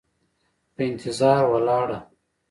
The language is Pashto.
په انتظار ولاړه